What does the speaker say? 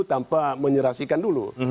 tanpa menyerasikan dulu